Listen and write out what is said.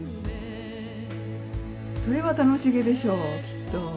それは楽しげでしょうきっと。